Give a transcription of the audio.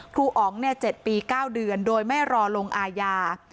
ครูอ๋อง๗ปี๙เดือนโดยไม่รอลงอาญา